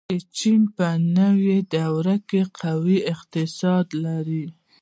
چین په نوې دور کې قوي اقتصاد لري.